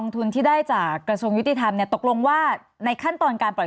ทุนที่ได้จากกระทรวงยุติธรรมเนี่ยตกลงว่าในขั้นตอนการปล่อย